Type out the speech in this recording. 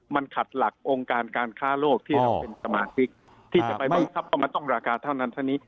มันขัดหลักองค์การการค้าโลกที่เราเป็นสมาชิกที่จะไปบังคับเพราะมันต้องราคาเท่านั้นเท่านี้